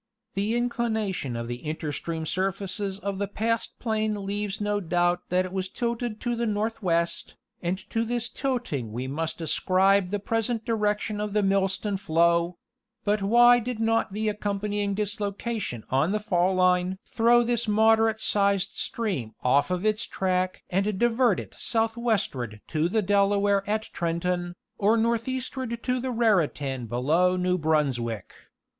The inclination of the interstream surfaces of the past plain leaves no doubt that it was tilted to the northwest, and to this tilting we must ascribe the present direction of the Millstone flow: but why did not the accompanying dislocation on the fall line throw this moderate sized stream off of its track and divert it southwestward to the Delaware at Trenton, or northeastward to the Raritan below New Brunswick.